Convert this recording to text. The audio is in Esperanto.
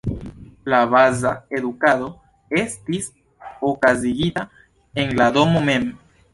La baza edukado estis okazigita en la domo mem.